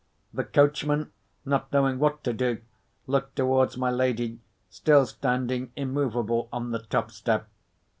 The coachman, not knowing what to do, looked towards my lady, still standing immovable on the top step.